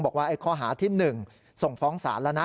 บอกว่าข้อหาที่๑ส่งฟ้องศาลแล้วนะ